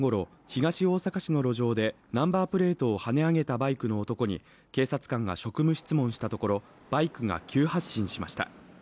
東大阪市の路上でナンバープレートをはねあげたバイクの男に警察官が職務質問したところバイクが急発進しました。